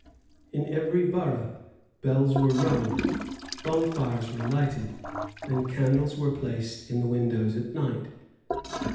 In every borough bells were rung; bonfires were lighted; and candles were placed in the windows at night.